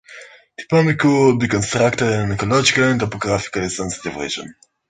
Tipaimukh would be constructed in an ecologically and topographically sensitive region.